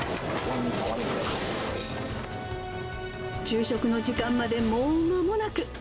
昼食の時間までもうまもなく。